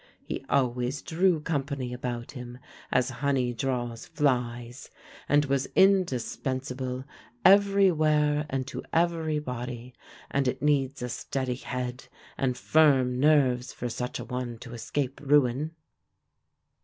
He always drew company about him, as honey draws flies, and was indispensable every where and to every body; and it needs a steady head and firm nerves for such a one to escape ruin.